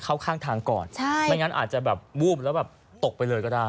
เข้าข้างทางก่อนใช่ไม่งั้นอาจจะแบบวูบแล้วแบบตกไปเลยก็ได้